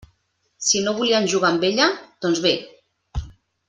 Si no volien jugar amb ella, doncs bé!